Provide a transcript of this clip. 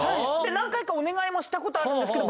何回かお願いもしたことあるんですけど